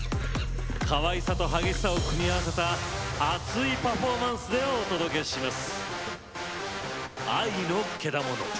かわいさと激しさを組み合わせた熱いパフォーマンスでお届けします。